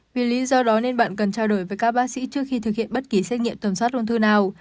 vì lý do đó nên bệnh cần trao đổi với các bác sĩ trước khi thực hiện bất kỳ xét nghiệm tầm soát ung thư nào